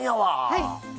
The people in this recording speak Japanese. はい。